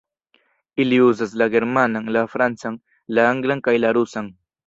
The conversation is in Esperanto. Ili uzas la germanan, la francan, la anglan kaj la rusan.